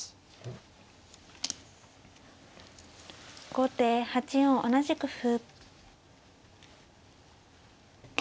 後手８四同じく歩。